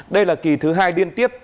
đây là kỳ thứ hai điên tiếp